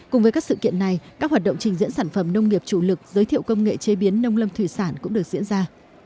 cùng với các sự kiện này các hoạt động trình diễn sản phẩm nông nghiệp chủ lực giới thiệu công nghệ chế biến nông lâm thủy sản cũng được diễn ra